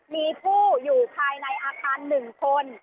มีผู้อยู่ภายในอาคาร๑คน